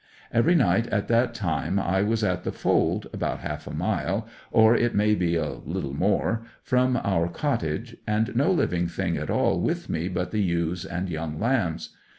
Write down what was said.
Every night at that time I was at the fold, about half a mile, or it may be a little more, from our cottage, and no living thing at all with me but the ewes and young lambs.